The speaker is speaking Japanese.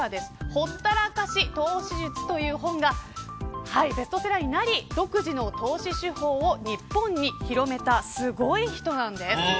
ほったらかし投資術という本がベストセラーになり独自の投資手法を日本に広めたすごい人なんです。